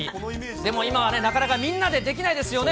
でも今はね、なかなかみんなでできないですよね。